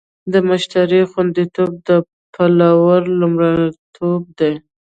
د مشتری خوندیتوب د پلور لومړیتوب دی.